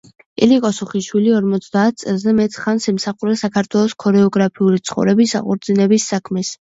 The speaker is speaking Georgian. ილიკო სუხიშვილი ორმოცდაათ წელზე მეტ ხანს ემსახურა საქართველოს ქორეოგრაფიული ცხოვრების აღორძინების საქმეს.